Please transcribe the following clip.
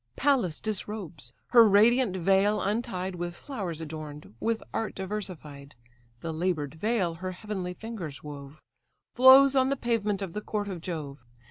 Pallas disrobes; her radiant veil untied, With flowers adorn'd, with art diversified, (The laboured veil her heavenly fingers wove,) Flows on the pavement of the court of Jove.